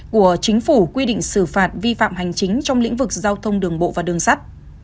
của chính phủ quy định xử phạt vi phạm hành chính trong lĩnh vực giao thông đường bộ và đường sắt